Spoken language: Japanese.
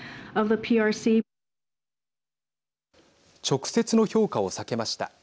直接の評価を避けました。